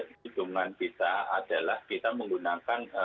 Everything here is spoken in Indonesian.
hitungan kita adalah kita menggunakan